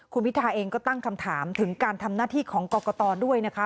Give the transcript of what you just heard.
คุณพิทาเองก็ตั้งคำถามถึงการทำหน้าที่ของกรกตด้วยนะคะ